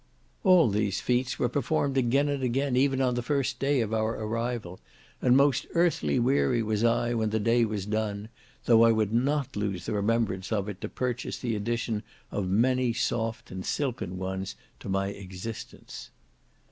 All these feats were performed again and again even on the first day of our arrival, and most earthly weary was I when the day was done, though I would not lose the remembrance of it to purchase the addition of many soft and silken ones to my existence.